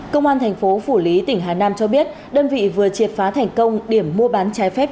công an thành phố phủ lý tỉnh hà nam cho biết đơn vị vừa triệt phá thành công điểm mua bán trái phép